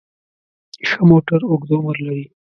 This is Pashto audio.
ښه موټر اوږد عمر لري.